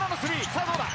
さあどうだ？